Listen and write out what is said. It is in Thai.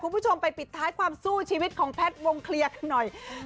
คุณผู้ชมไปปิดท้ายความสู้ชีวิตของแพทย์วงเคลียร์กันหน่อย